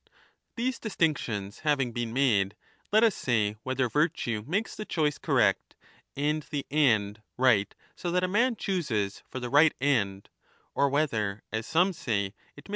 These distinctions having been made, let us say whether li virtue makes the choice correct and the end right so that a man chooses for the right end, or whether (as some say) it makes 12 1228* 2 : cf.